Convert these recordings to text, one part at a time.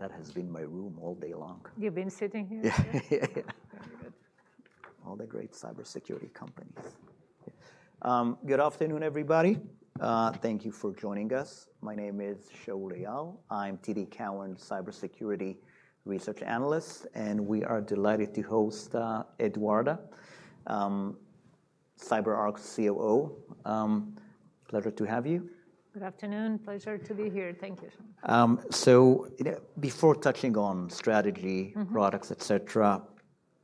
That has been my room all day long. You've been sitting here? Yeah, yeah. All the great cybersecurity companies. Good afternoon, everybody. Thank you for joining us. My name is Shaul Eyal. I'm TD Cowen, Cybersecurity Research Analyst, and we are delighted to host Eduarda, CyberArk COO. Pleasure to have you. Good afternoon. Pleasure to be here. Thank you. Before touching on strategy, products, et cetera,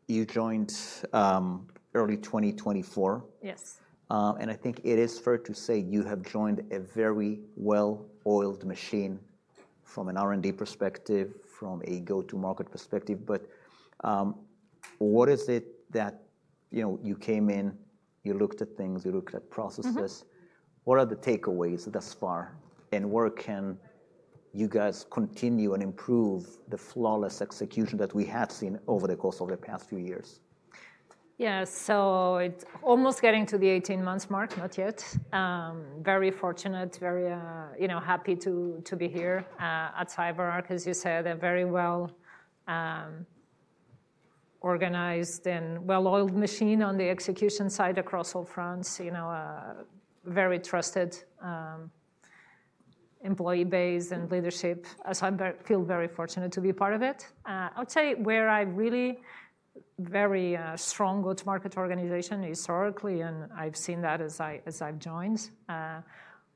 you joined early 2024. Yes. I think it is fair to say you have joined a very well-oiled machine from an R&D perspective, from a go-to-market perspective. What is it that you came in, you looked at things, you looked at processes? What are the takeaways thus far, and where can you guys continue and improve the flawless execution that we have seen over the course of the past few years? Yeah, so it's almost getting to the 18-month mark, not yet. Very fortunate, very happy to be here at CyberArk, as you said, a very well-organized and well-oiled machine on the execution side across all fronts. Very trusted employee base and leadership. I feel very fortunate to be a part of it. I would say where I really very strong go-to-market organization historically, and I've seen that as I've joined,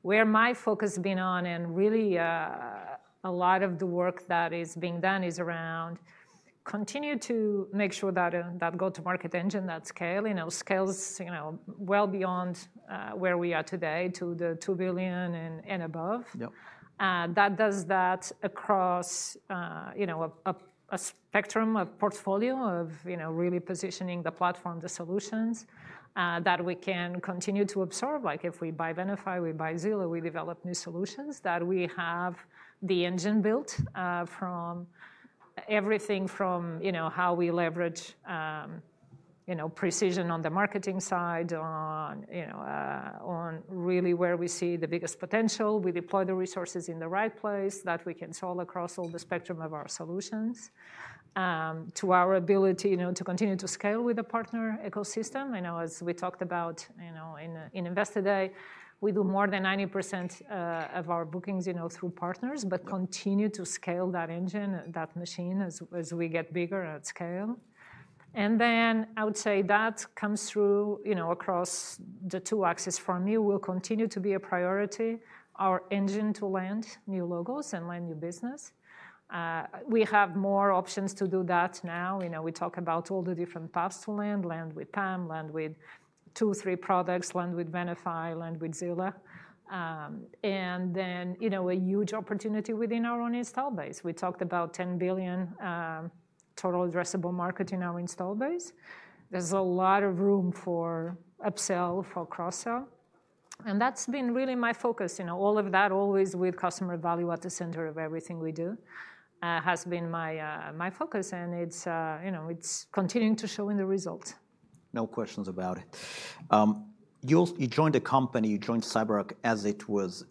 where my focus has been on and really a lot of the work that is being done is around continue to make sure that go-to-market engine, that scale, scales well beyond where we are today to the $2 billion and above. That does that across a spectrum, a portfolio of really positioning the platform, the solutions that we can continue to absorb. Like if we buy Benify, we buy Zilla, we develop new solutions, that we have the engine built from everything from how we leverage precision on the marketing side, on really where we see the biggest potential. We deploy the resources in the right place that we can sell across all the spectrum of our solutions to our ability to continue to scale with a partner ecosystem. As we talked about in Investor Day, we do more than 90% of our bookings through partners, but continue to scale that engine, that machine as we get bigger at scale. I would say that comes through across the two axes for me. We'll continue to be a priority our engine to land new logos and land new business. We have more options to do that now. We talk about all the different paths to land, land with PAM, land with two, three products, land with Benify, land with Zilla. A huge opportunity within our own install base. We talked about $10 billion total addressable market in our install base. There is a lot of room for upsell, for cross-sell. That has been really my focus. All of that always with customer value at the center of everything we do has been my focus, and it is continuing to show in the results. No questions about it. You joined a company, you joined CyberArk as it was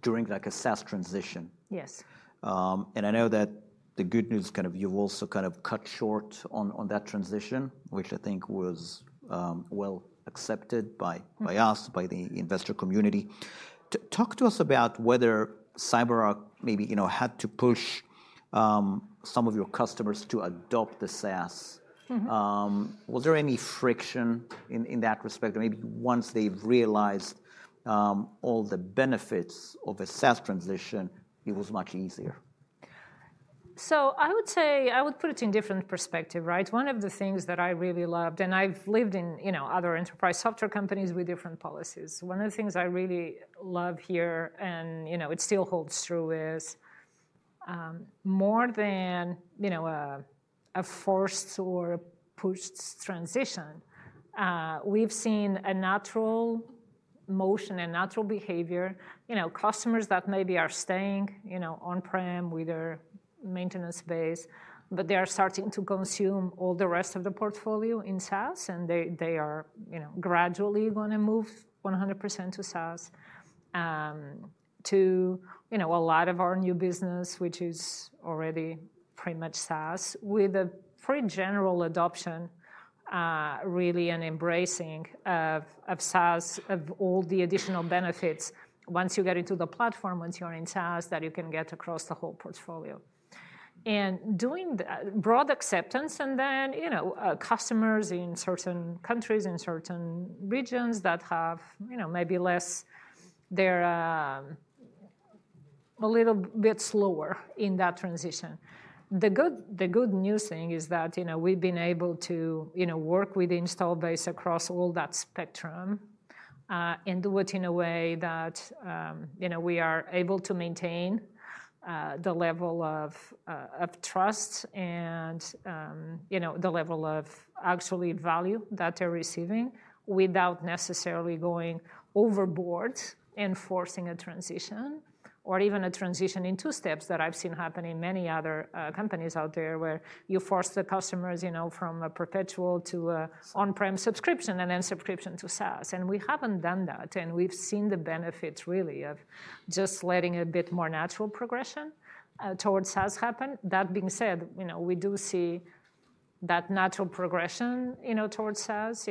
during a SaaS transition. Yes. I know that the good news is kind of you've also kind of cut short on that transition, which I think was well accepted by us, by the investor community. Talk to us about whether CyberArk maybe had to push some of your customers to adopt the SaaS. Was there any friction in that respect? Maybe once they've realized all the benefits of a SaaS transition, it was much easier. I would say I would put it in different perspective. One of the things that I really loved, and I've lived in other enterprise software companies with different policies, one of the things I really love here and it still holds true is more than a forced or a pushed transition, we've seen a natural motion, a natural behavior. Customers that maybe are staying on-prem with their maintenance base, but they are starting to consume all the rest of the portfolio in SaaS, and they are gradually going to move 100% to SaaS. To a lot of our new business, which is already pretty much SaaS with a pretty general adoption, really an embracing of SaaS, of all the additional benefits once you get into the platform, once you are in SaaS that you can get across the whole portfolio. Doing broad acceptance and then customers in certain countries, in certain regions that have maybe less, they're a little bit slower in that transition. The good news thing is that we've been able to work with the install base across all that spectrum and do it in a way that we are able to maintain the level of trust and the level of actual value that they're receiving without necessarily going overboard and forcing a transition or even a transition in two steps that I've seen happen in many other companies out there where you force the customers from a perpetual to an on-prem subscription and then subscription to SaaS. We haven't done that, and we've seen the benefits really of just letting a bit more natural progression towards SaaS happen. That being said, we do see that natural progression towards SaaS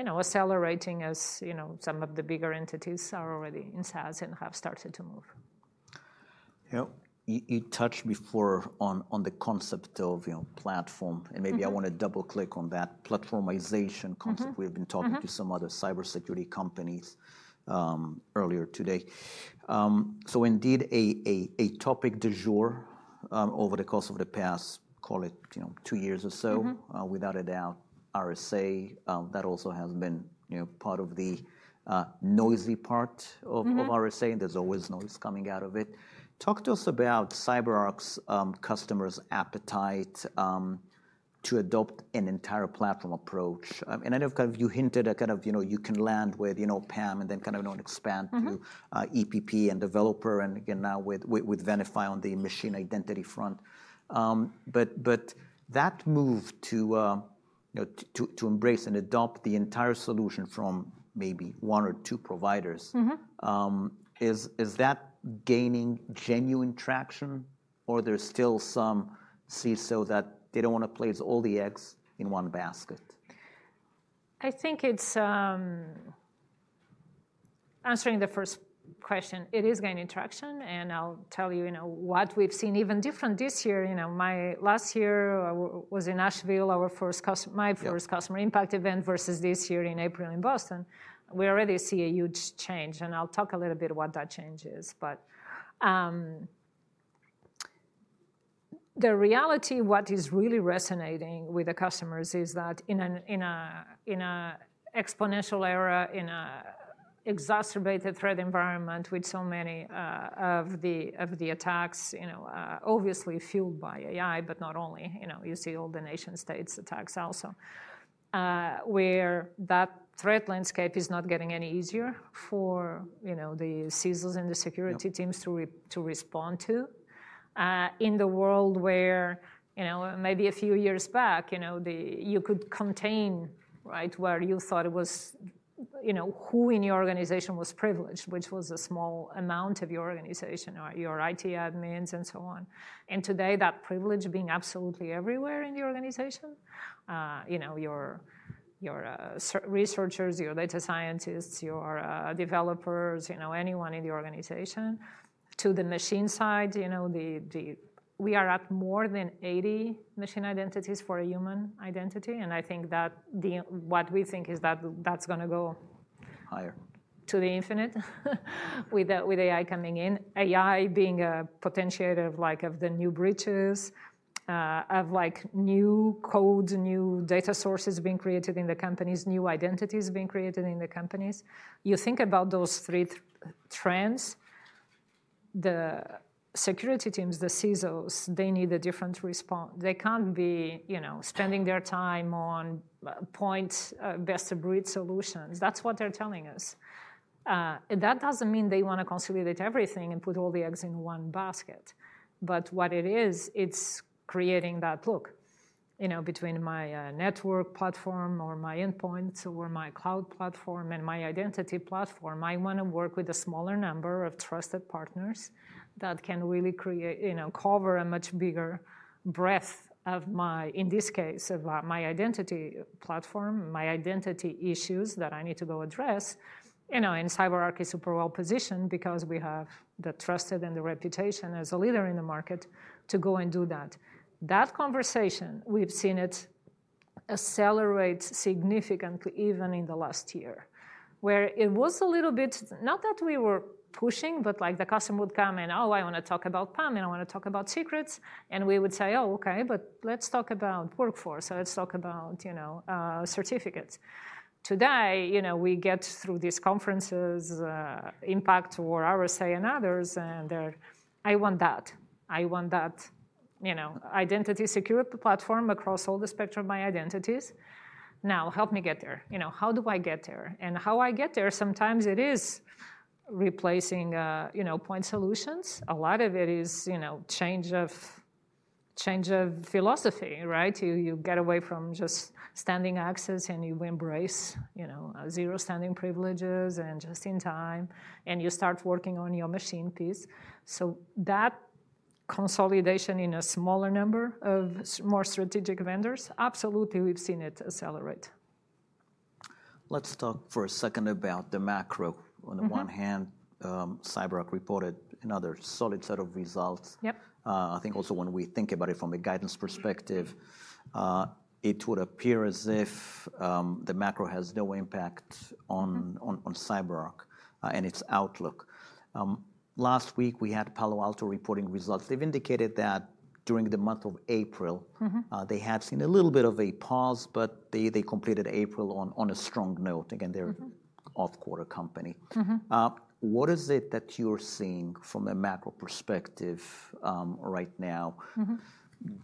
accelerating as some of the bigger entities are already in SaaS and have started to move. You touched before on the concept of platform, and maybe I want to double-click on that platformization concept. We've been talking to some other cybersecurity companies earlier today. Indeed, a topic du jour over the course of the past, call it two years or so, without a doubt, RSA. That also has been part of the noisy part of RSA, and there's always noise coming out of it. Talk to us about CyberArk's customers' appetite to adopt an entire platform approach. I know you hinted at kind of you can land with PAM and then kind of expand to EPM and developer and now with Benify on the machine identity front. That move to embrace and adopt the entire solution from maybe one or two providers, is that gaining genuine traction, or is there still some sense that they do not want to place all the eggs in one basket? I think it's answering the first question. It is gaining traction, and I'll tell you what we've seen even different this year. My last year was in Nashville, our first customer impact event versus this year in April in Boston. We already see a huge change, and I'll talk a little bit about what that change is. The reality, what is really resonating with the customers is that in an exponential era, in an exacerbated threat environment with so many of the attacks, obviously fueled by AI, but not only, you see all the nation-states attacks also, where that threat landscape is not getting any easier for the CISOs and the security teams to respond to. In the world where maybe a few years back, you could contain where you thought it was who in your organization was privileged, which was a small amount of your organization, or your IT admins, and so on. Today, that privilege being absolutely everywhere in the organization, your researchers, your data scientists, your developers, anyone in the organization. To the machine side, we are at more than 80 machine identities for a human identity. I think that what we think is that that's going to go. Higher. To the infinite with AI coming in. AI being a potentiator of the new bridges, of new code, new data sources being created in the companies, new identities being created in the companies. You think about those three trends, the security teams, the CISOs, they need a different response. They cannot be spending their time on point, best-of-breed solutions. That is what they are telling us. That does not mean they want to consolidate everything and put all the eggs in one basket. What it is, it is creating that look between my network platform or my endpoints or my cloud platform and my identity platform. I want to work with a smaller number of trusted partners that can really cover a much bigger breadth of my, in this case, of my identity platform, my identity issues that I need to go address. CyberArk is super well positioned because we have the trust and the reputation as a leader in the market to go and do that. That conversation, we've seen it accelerate significantly even in the last year, where it was a little bit, not that we were pushing, but the customer would come in, "Oh, I want to talk about PAM, and I want to talk about secrets." And we would say, "Oh, OK, but let's talk about workforce. Let's talk about certificates." Today, we get through these conferences, Impact or RSA and others, and they're, "I want that. I want that identity secure platform across all the spectrum of my identities. Now help me get there. How do I get there?" And how I get there, sometimes it is replacing point solutions. A lot of it is change of philosophy. You get away from just standing access, and you embrace zero standing privileges and just in time, and you start working on your machine piece. That consolidation in a smaller number of more strategic vendors, absolutely, we've seen it accelerate. Let's talk for a second about the macro. On the one hand, CyberArk reported another solid set of results. I think also when we think about it from a guidance perspective, it would appear as if the macro has no impact on CyberArk and its outlook. Last week, we had Palo Alto reporting results. They've indicated that during the month of April, they had seen a little bit of a pause, but they completed April on a strong note. Again, they're an off-quarter company. What is it that you're seeing from a macro perspective right now?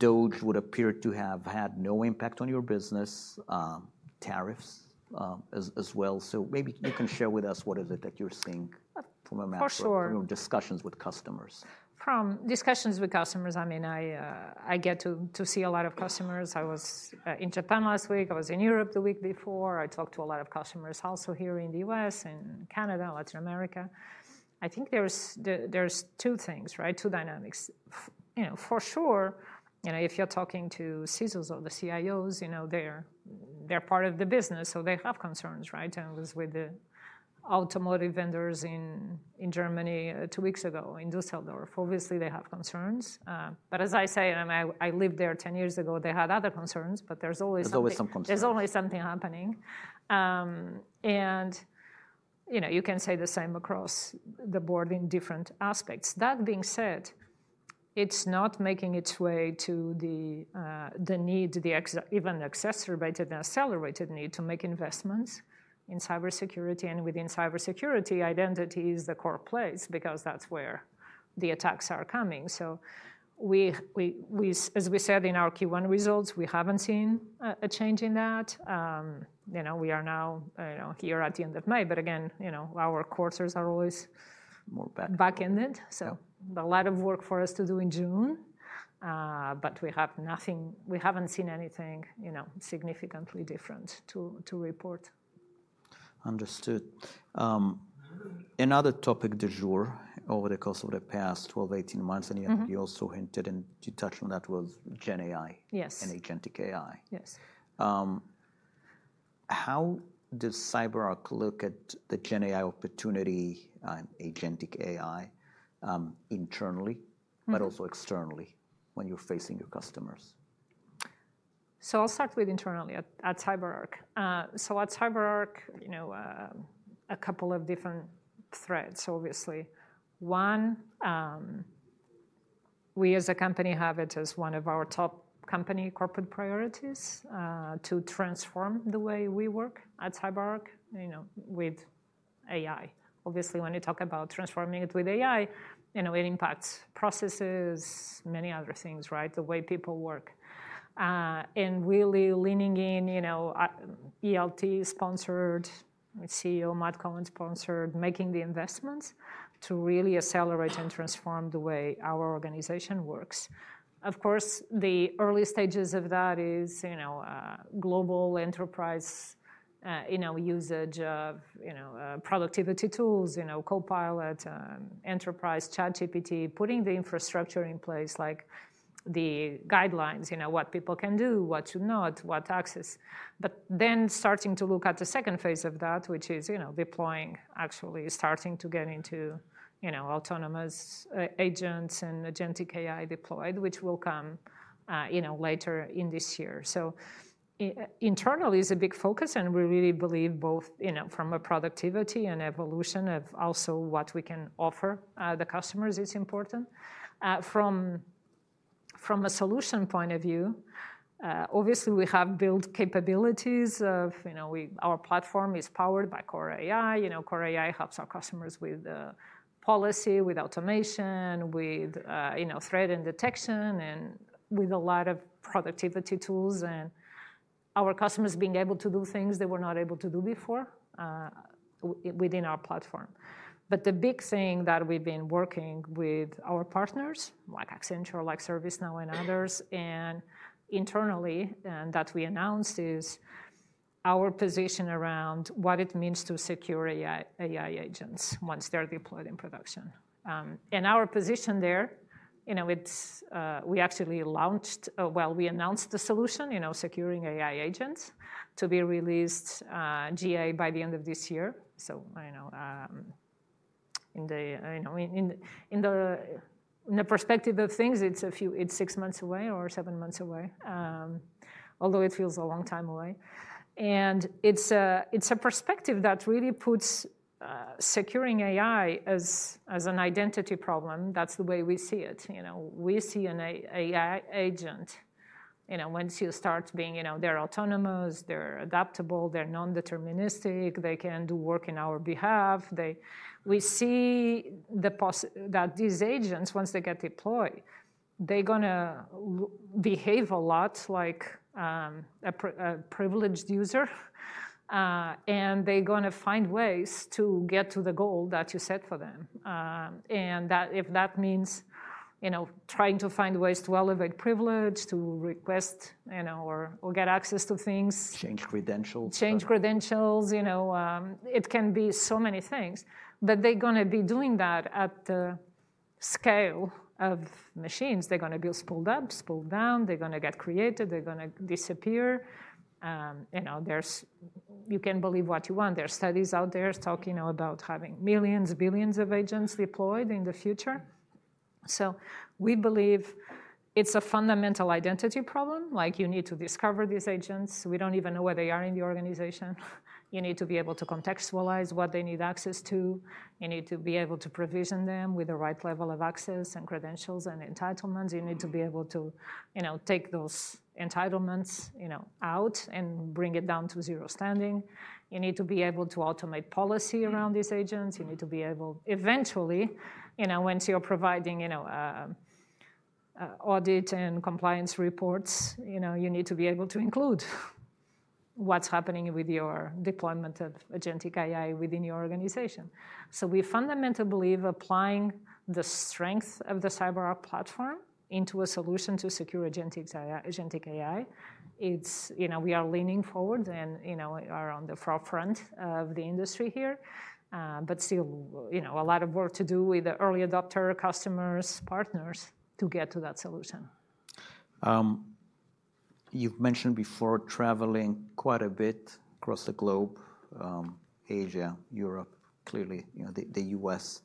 It would appear to have had no impact on your business, tariffs as well. So maybe you can share with us what is it that you're seeing from a macro discussions with customers. From discussions with customers, I mean, I get to see a lot of customers. I was in Japan last week. I was in Europe the week before. I talked to a lot of customers also here in the U.S., in Canada, Latin America. I think there's two things, two dynamics. For sure, if you're talking to CISOs or the CIOs, they're part of the business, so they have concerns. I was with the automotive vendors in Germany two weeks ago in Düsseldorf. Obviously, they have concerns. As I say, I lived there 10 years ago. They had other concerns, but there's always something. There's always some concerns. There's always something happening. You can say the same across the board in different aspects. That being said, it's not making its way to the need, even accessory, but an accelerated need to make investments in cybersecurity. Within cybersecurity, identity is the core place because that's where the attacks are coming. As we said in our Q1 results, we haven't seen a change in that. We are now here at the end of May, but again, our quarters are always back-ended. A lot of work for us to do in June, but we haven't seen anything significantly different to report. Understood. Another topic du jour over the course of the past 12, 18 months, and you also hinted and you touched on that was GenAI and agentic AI. Yes. How does CyberArk look at the GenAI opportunity and agentic AI internally, but also externally when you're facing your customers? I'll start with internally at CyberArk. At CyberArk, a couple of different threads, obviously. One, we as a company have it as one of our top company corporate priorities to transform the way we work at CyberArk with AI. Obviously, when you talk about transforming it with AI, it impacts processes, many other things, the way people work. Really leaning in ELT-sponsored, CEO Matt Cohen-sponsored, making the investments to really accelerate and transform the way our organization works. Of course, the early stages of that is global enterprise usage of productivity tools, Copilot, enterprise ChatGPT, putting the infrastructure in place, like the guidelines, what people can do, what should not, what access. Then starting to look at the second phase of that, which is deploying, actually starting to get into autonomous agents and agentic AI deployed, which will come later in this year. Internally is a big focus, and we really believe both from a productivity and evolution of also what we can offer the customers is important. From a solution point of view, obviously, we have built capabilities of our platform is powered by CoreAI. CoreAI helps our customers with policy, with automation, with threat and detection, and with a lot of productivity tools and our customers being able to do things they were not able to do before within our platform. The big thing that we've been working with our partners, like Accenture, like ServiceNow and others, and internally that we announced is our position around what it means to secure AI agents once they're deployed in production. Our position there, we actually launched, well, we announced the solution, securing AI agents to be released GA by the end of this year. In the perspective of things, it's six months away or seven months away, although it feels a long time away. It's a perspective that really puts securing AI as an identity problem. That's the way we see it. We see an AI agent, once you start being, they're autonomous, they're adaptable, they're non-deterministic, they can do work on our behalf. We see that these agents, once they get deployed, they're going to behave a lot like a privileged user, and they're going to find ways to get to the goal that you set for them. If that means trying to find ways to elevate privilege, to request or get access to things. Change credentials. Change credentials. It can be so many things. They're going to be doing that at the scale of machines. They're going to be spooled up, spooled down. They're going to get created. They're going to disappear. You can believe what you want. There are studies out there talking about having millions, billions of agents deployed in the future. We believe it's a fundamental identity problem. You need to discover these agents. We don't even know where they are in the organization. You need to be able to contextualize what they need access to. You need to be able to provision them with the right level of access and credentials and entitlements. You need to be able to take those entitlements out and bring it down to zero standing. You need to be able to automate policy around these agents. You need to be able eventually, once you're providing audit and compliance reports, you need to be able to include what's happening with your deployment of agentic AI within your organization. We fundamentally believe applying the strength of the CyberArk platform into a solution to secure agentic AI, we are leaning forward and are on the forefront of the industry here. Still, a lot of work to do with the early adopter customers, partners to get to that solution. You've mentioned before traveling quite a bit across the globe, Asia, Europe, clearly the U.S.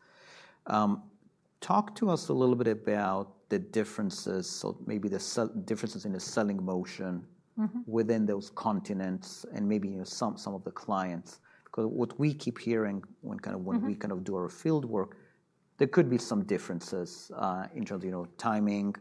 Talk to us a little bit about the differences, maybe the differences in the selling motion within those continents and maybe some of the clients. Because what we keep hearing when we kind of do our fieldwork, there could be some differences in terms of timing,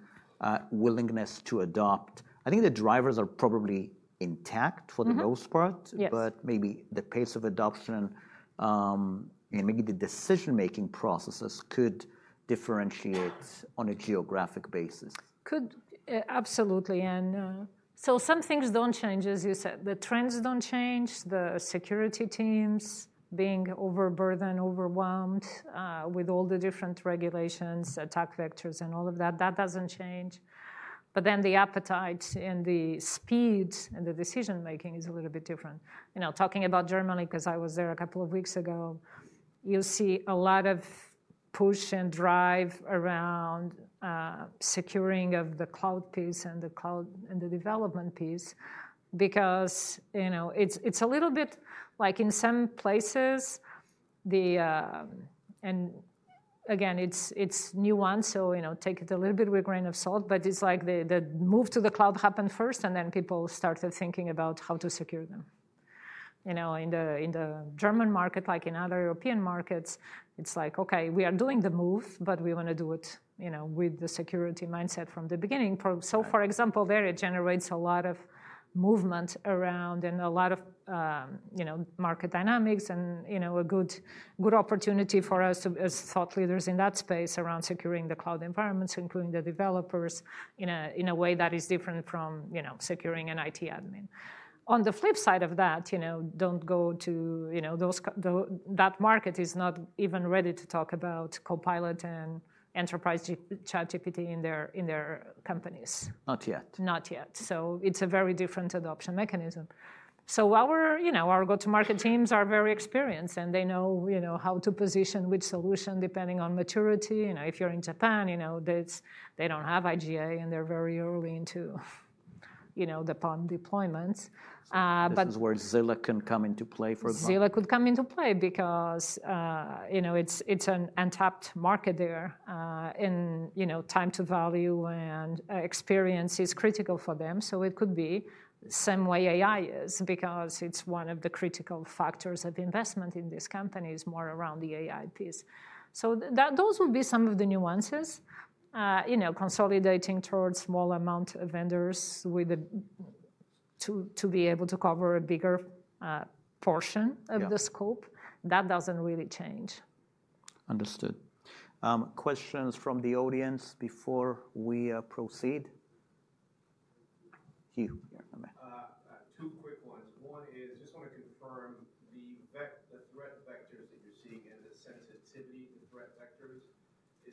willingness to adopt. I think the drivers are probably intact for the most part, but maybe the pace of adoption and maybe the decision-making processes could differentiate on a geographic basis. Could, absolutely. Some things do not change, as you said. The trends do not change. The security teams being overburdened, overwhelmed with all the different regulations, attack vectors, and all of that, that does not change. The appetite and the speed and the decision-making is a little bit different. Talking about Germany, because I was there a couple of weeks ago, you see a lot of push and drive around securing of the cloud piece and the development piece because it is a little bit like in some places, and again, it is nuanced, so take it a little bit with a grain of salt, but it is like the move to the cloud happened first, and then people started thinking about how to secure them. In the German market, like in other European markets, it's like, OK, we are doing the move, but we want to do it with the security mindset from the beginning. For example, there it generates a lot of movement around and a lot of market dynamics and a good opportunity for us as thought leaders in that space around securing the cloud environments, including the developers, in a way that is different from securing an IT admin. On the flip side of that, that market is not even ready to talk about Copilot and Enterprise ChatGPT in their companies. Not yet. Not yet. It's a very different adoption mechanism. Our go-to-market teams are very experienced, and they know how to position which solution depending on maturity. If you're in Japan, they don't have IGA, and they're very early into the PAM deployments. In other words, Zilla can come into play, for example. Zilla could come into play because it's an untapped market there. Time to value and experience is critical for them. It could be the same way AI is because it's one of the critical factors of investment in these companies, more around the AI piece. Those would be some of the nuances. Consolidating towards a small amount of vendors to be able to cover a bigger portion of the scope, that doesn't really change. Understood. Questions from the audience before we proceed? You. Two quick ones. One is, just want to confirm the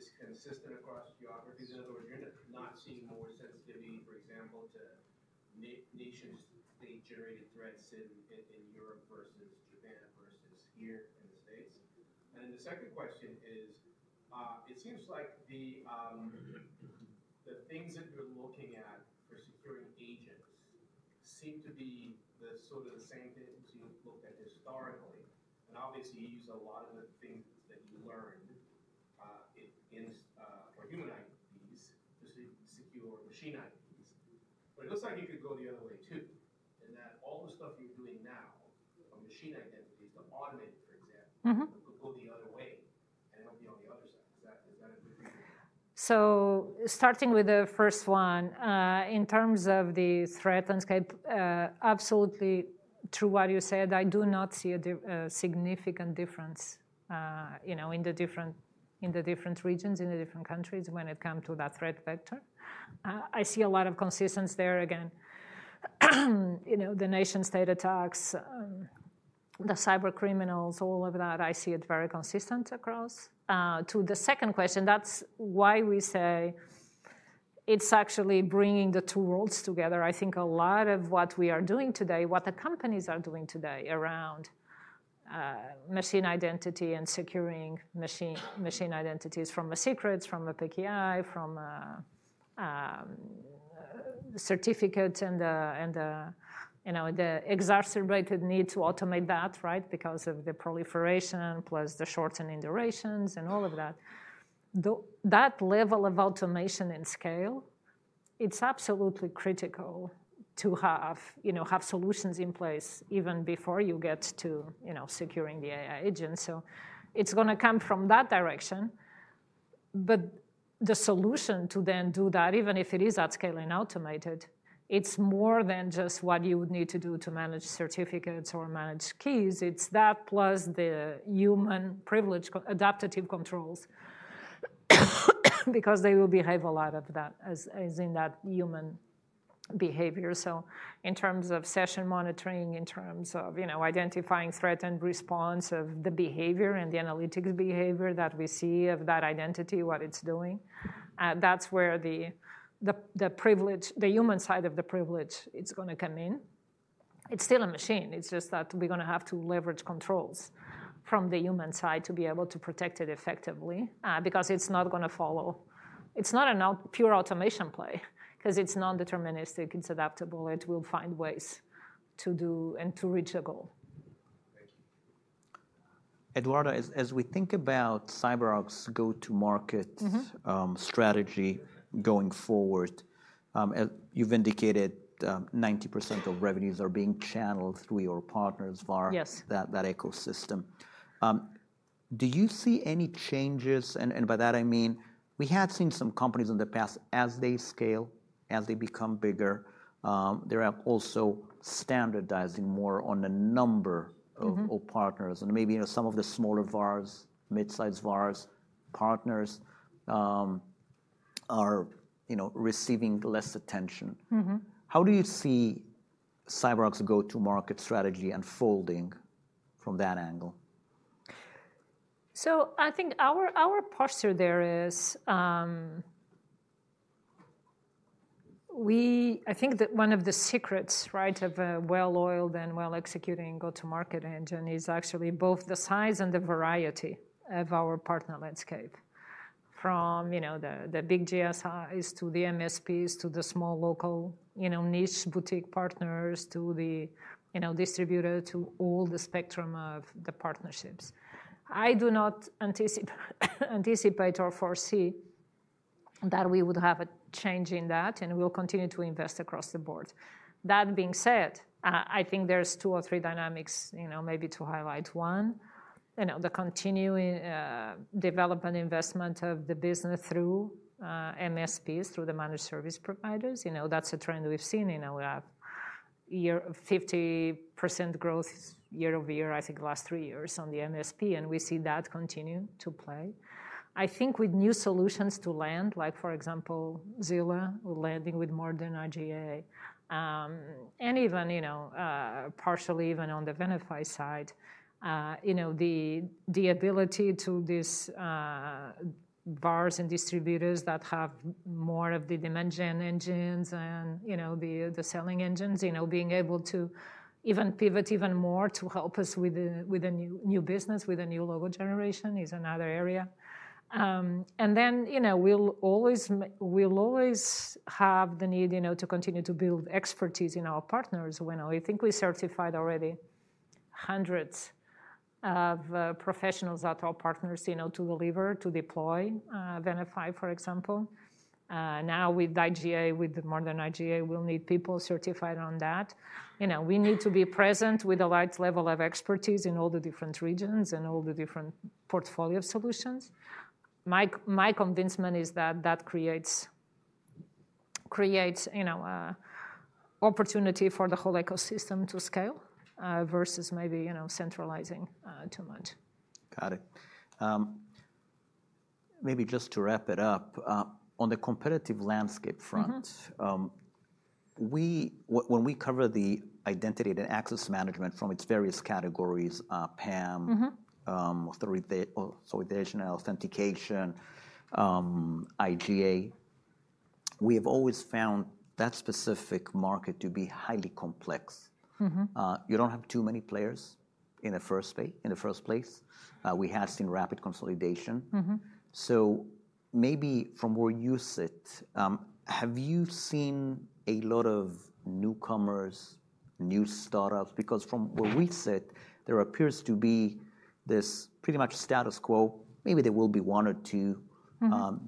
threat vectors that you're seeing and the sensitivity to threat vectors is consistent across geographies. In other words, you're not seeing more sensitivity, for example, to nation-state-generated threats in Europe versus Japan versus here in the States. The second question is, it seems like the things that you're looking at for securing agents seem to be the sort of the same things you've looked at historically. Obviously, you use a lot of the things that you learned for human ID piece to secure machine ID piece. It looks like you could go the other way, too, in that all the stuff you're doing now on machine identities to automate it, for example, could go the other way and help you on the other side. Is that a good reason? Starting with the first one, in terms of the threat landscape, absolutely true what you said. I do not see a significant difference in the different regions, in the different countries when it comes to that threat vector. I see a lot of consistency there. Again, the nation-state attacks, the cyber criminals, all of that, I see it very consistent across. To the second question, that's why we say it's actually bringing the two worlds together. I think a lot of what we are doing today, what the companies are doing today around machine identity and securing machine identities from a secret, from a PKI, from a certificate, and the exacerbated need to automate that because of the proliferation plus the shortening durations and all of that, that level of automation and scale, it's absolutely critical to have solutions in place even before you get to securing the AI agent. It is going to come from that direction. The solution to then do that, even if it is at scale and automated, it's more than just what you would need to do to manage certificates or manage keys. It's that plus the human privilege adaptive controls because they will behave a lot of that as in that human behavior. In terms of session monitoring, in terms of identifying threat and response of the behavior and the analytics behavior that we see of that identity, what it's doing, that's where the human side of the privilege is going to come in. It's still a machine. It's just that we're going to have to leverage controls from the human side to be able to protect it effectively because it's not going to follow. It's not a pure automation play because it's non-deterministic. It's adaptable. It will find ways to do and to reach a goal. Thank you. Eduarda, as we think about CyberArk's go-to-market strategy going forward, you've indicated 90% of revenues are being channeled through your partners, VAR, that ecosystem. Do you see any changes? By that, I mean, we had seen some companies in the past, as they scale, as they become bigger, they're also standardizing more on the number of partners. Maybe some of the smaller VARs, mid-size VARs, partners are receiving less attention. How do you see CyberArk's go-to-market strategy unfolding from that angle? I think our posture there is I think that one of the secrets of a well-oiled and well-executing go-to-market engine is actually both the size and the variety of our partner landscape, from the big GSIs to the MSPs to the small local niche boutique partners to the distributor to all the spectrum of the partnerships. I do not anticipate or foresee that we would have a change in that, and we'll continue to invest across the board. That being said, I think there's two or three dynamics, maybe to highlight one. The continuing development investment of the business through MSPs, through the managed service providers, that's a trend we've seen. We have 50% growth year-over-year, I think, the last three years on the MSP, and we see that continue to play. I think with new solutions to land, like for example, Zilla landing with more than IGA, and even partially even on the Venafi side, the ability to these VARs and distributors that have more of the demand gen engines and the selling engines, being able to even pivot even more to help us with a new business, with a new logo generation is another area. We'll always have the need to continue to build expertise in our partners. I think we certified already hundreds of professionals at our partners to deliver, to deploy Venafi, for example. Now with IGA, with the modern IGA, we'll need people certified on that. We need to be present with a large level of expertise in all the different regions and all the different portfolio solutions. My convincement is that that creates opportunity for the whole ecosystem to scale versus maybe centralizing too much. Got it. Maybe just to wrap it up, on the competitive landscape front, when we cover the identity and access management from its various categories, PAM, solidation and authentication, IGA, we have always found that specific market to be highly complex. You do not have too many players in the first place. We had seen rapid consolidation. Maybe from where you sit, have you seen a lot of newcomers, new startups? Because from where we sit, there appears to be this pretty much status quo. Maybe there will be one or two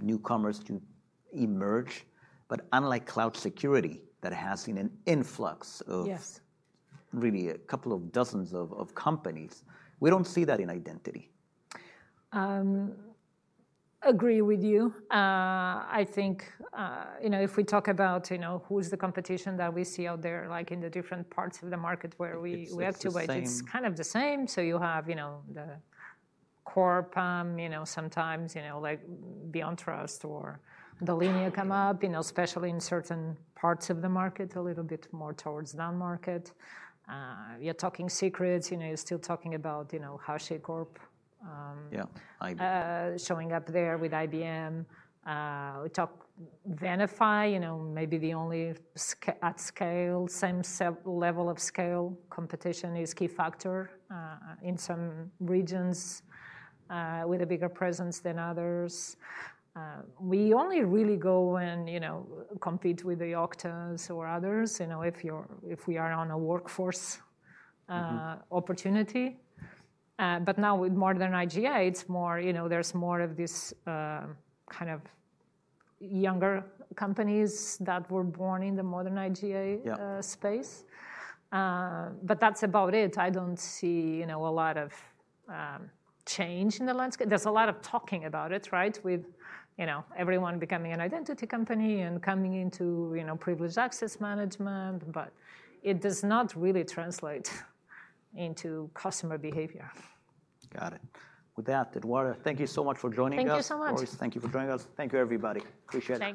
newcomers to emerge. Unlike cloud security that has seen an influx of really a couple of dozens of companies, we do not see that in identity. Agree with you. I think if we talk about who's the competition that we see out there, like in the different parts of the market where we activate, it's kind of the same. You have the core, sometimes like BeyondTrust or Delinea come up, especially in certain parts of the market, a little bit more towards that market. You're talking secrets. You're still talking about HashiCorp. Yeah. Showing up there with IBM. We talk Venafi, maybe the only at scale, same level of scale competition is Keyfactor in some regions with a bigger presence than others. We only really go and compete with the Oktas or others if we are on a workforce opportunity. Now with modern IGA, there's more of this kind of younger companies that were born in the modern IGA space. That's about it. I do not see a lot of change in the landscape. There's a lot of talking about it with everyone becoming an identity company and coming into privileged access management, but it does not really translate into customer behavior. Got it. With that, Eduarda, thank you so much for joining us. Thank you so much. Thank you for joining us. Thank you, everybody. Appreciate it.